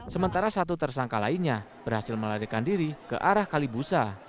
sementara satu tersangka lainnya berhasil melarikan diri ke arah kalibusa